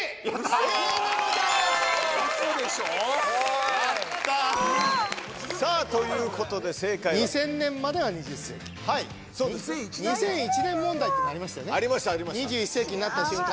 ウソでしょ？さあということで正解は２０００年までは２０世紀２００１年問題っていうのありました２１世紀になった瞬間